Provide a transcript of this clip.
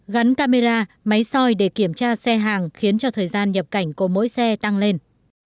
gắn camera máy soi để kiểm tra xe hàng khiến cho thời gian nhập cảnh của mỗi xe tăng lên